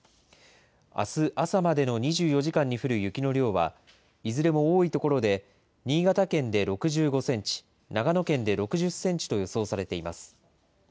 あす朝までの２４時間に降る雪の量は、いずれも多い所で新潟県で６５センチ、長野県で６０センチと予想されています。